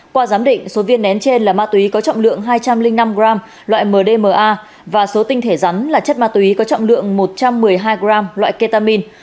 qua giám định số viên nén trên là ma túy có trọng lượng hai trăm linh năm gram loại mdma và số tinh thể rắn là chất ma túy có trọng lượng một trăm một mươi hai gram loại ketamin